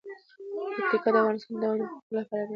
پکتیکا د افغانستان د دوامداره پرمختګ لپاره اړین دي.